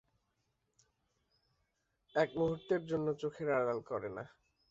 এক মুহূর্তের জন্য চোখের আড়াল করে না।